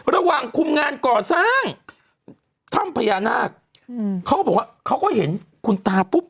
ระหว่างคุมงานก่อสร้างถ้ำพญานาคอืมเขาก็บอกว่าเขาก็เห็นคุณตาปุ๊บ